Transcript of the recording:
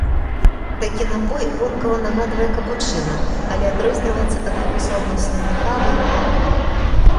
Такі напой вонкава нагадвае капучына, але адрозніваецца ад яго суадносінамі кавы і малака.